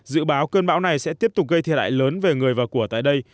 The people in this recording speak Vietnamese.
dự báo cơn bão này sẽ tiếp tục gây thiệt hại lớn về người và của tại đây